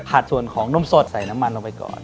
ส่วนของนมสดใส่น้ำมันลงไปก่อน